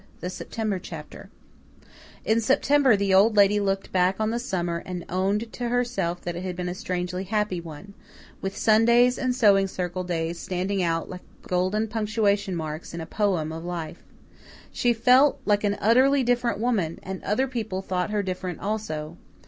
The September Chapter In September the Old Lady looked back on the summer and owned to herself that it had been a strangely happy one, with Sundays and Sewing Circle days standing out like golden punctuation marks in a poem of life. She felt like an utterly different woman; and other people thought her different also.